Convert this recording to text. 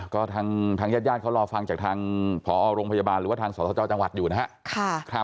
ก็ทางยาดเขารอฟังจากทางพรพยาบาลหรือว่าทางสเจ้าจังหวัดอยู่นะครับ